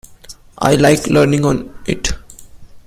I like leaning on it.